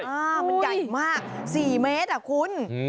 อ่ามันใหญ่มาก๔เมตรคุณ